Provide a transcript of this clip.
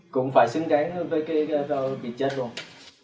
cũng phải xứng đáng với cái bị chết rồi